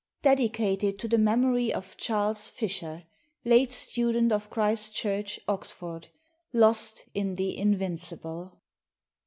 DEDICATED TO THE MEMORY OF CHARLES FISHER, LATE STUDENT OF CHRIST CHURCH, OXFORD, LOST IN THE "INVINCIBLE."